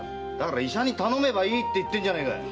だから医者に頼めばいいって言ってんじゃねえか。